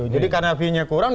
jadi karena fee nya kurang